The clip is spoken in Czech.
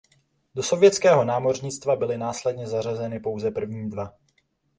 Do sovětského námořnictva byly následně zařazeny pouze první dva.